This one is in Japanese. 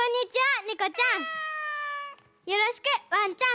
よろしくわんちゃん。